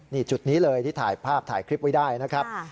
นี่จุดนี้เลยที่ถ่ายภาพถ่ายคลิปไว้ได้นะครับ